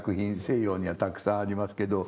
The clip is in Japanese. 西洋にはたくさんありますけど